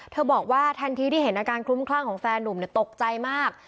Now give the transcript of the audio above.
บอกว่าทันทีที่เห็นอาการคลุ้มคลั่งของแฟนนุ่มตกใจมาก